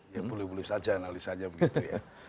ya boleh boleh saja analisanya begitu ya